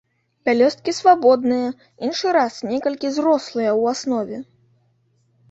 Пялёсткі свабодныя, іншы раз некалькі зрослыя ў аснове.